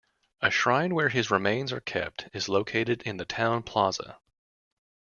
A shrine where his remains are kept is located in the Town Plaza.